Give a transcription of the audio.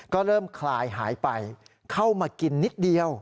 ก็เริ่มคลายหายไปเข้ามากินนิดเดียว